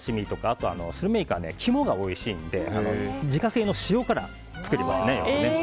あとはスルメイカは肝がおいしいので自家製の塩辛を作りますね。